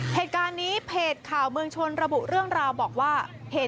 เหตุการณ์นี้เพจข่าวเมืองชนระบุเรื่องราวบอกว่า